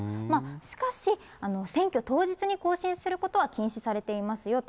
しかし、選挙当日に更新することは禁止されていますよと。